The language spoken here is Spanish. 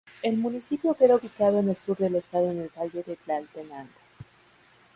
El municipio queda ubicado en el sur del estado en el Valle de Tlaltenango.